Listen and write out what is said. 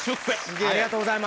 ありがとうございます。